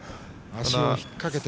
足を引っ掛けて。